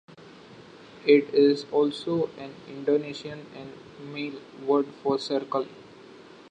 It is also an Indonesian and Malay word for "circle".